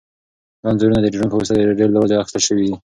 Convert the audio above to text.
دا انځورونه د ډرون په واسطه له ډېر لوړ ځایه اخیستل شوي دي.